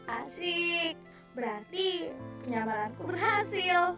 asik berarti penyamaranku berhasil